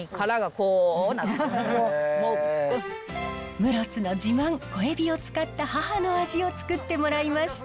室津の自慢小エビを使った母の味をつくってもらいました。